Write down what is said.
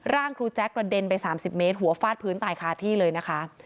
ร่างครูแจ๊คกระเด็นไป๓๐เมตรหัวฟาดพื้นตายคาที่เลยนะคะ